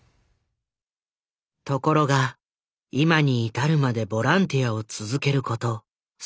ところが今に至るまでボランティアを続けること３０年。